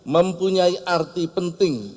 mempunyai arti penting